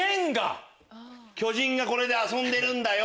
巨人がこれで遊んでるんだよ！